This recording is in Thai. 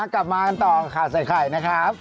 กลับมากันต่อข่าวใส่ไข่นะครับ